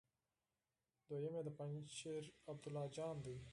دوهم يې د پنجشېر عبدالله جان دی.